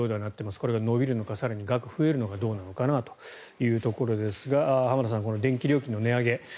これが延びるのか更に額が増えるのかどうなのかなというところですが浜田さん、電気料金の値上げ